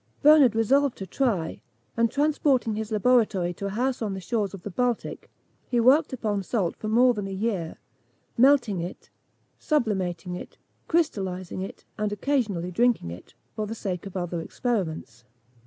Bernard resolved to try; and, transporting his laboratory to a house on the shores of the Baltic, he worked upon salt for more than a year, melting it, sublimating it, crystallising it, and occasionally drinking it, for the sake of other experiments.